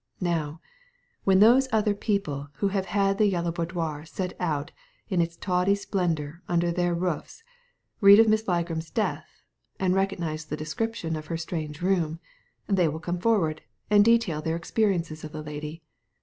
Now, when those other people who have had the Yellow Boudoir set out in its tawdry splendour under their roofs read of Miss Ligram's death, and recognize the description of her strange room, they will come forward, and detail their experiences of the lady.